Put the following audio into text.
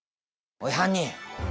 おい犯人。